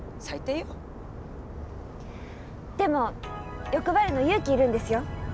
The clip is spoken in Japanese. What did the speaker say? でも欲張るの勇気いるんですよ。